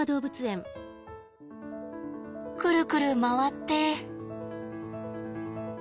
くるくる回って。